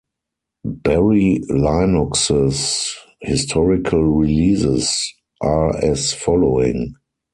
Berry Linux's historical releases are as following.